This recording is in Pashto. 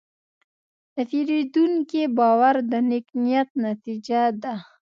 د پیرودونکي باور د نیک نیت نتیجه ده.